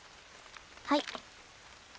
はい。